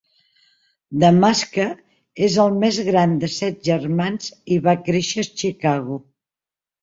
Damaschke és el més gran de set germans i va créixer a Chicago.